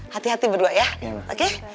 hati hati berdua ya oke